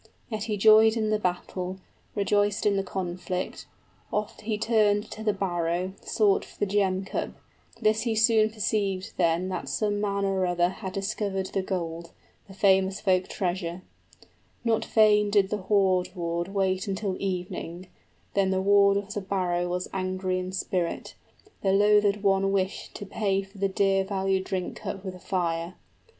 Yet he joyed in the battle, Rejoiced in the conflict: oft he turned to the barrow, Sought for the gem cup; this he soon perceived then {The dragon perceives that some one has disturbed his treasure.} 80 That some man or other had discovered the gold, The famous folk treasure. Not fain did the hoard ward Wait until evening; then the ward of the barrow Was angry in spirit, the loathèd one wished to Pay for the dear valued drink cup with fire.